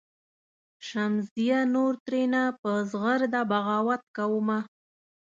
"شمسزیه نور ترېنه په زغرده بغاوت کومه.